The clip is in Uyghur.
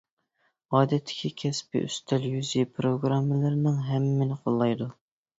ئادەتتىكى كەسپى ئۈستەل يۈزى پىروگراممىلىرىنىڭ ھەممىنى قوللايدۇ.